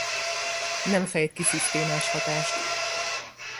Nem fejt ki szisztémás hatást.